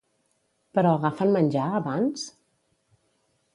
Però agafen menjar, abans?